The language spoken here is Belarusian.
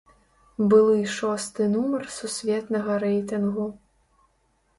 Былы шосты нумар сусветнага рэйтынгу.